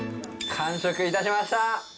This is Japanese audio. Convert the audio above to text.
完食いたしました！